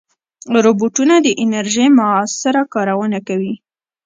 روبوټونه د انرژۍ مؤثره کارونه کوي.